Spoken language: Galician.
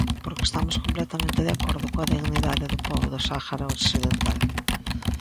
Porque estamos completamente de acordo coa dignidade do pobo do Sáhara occidental.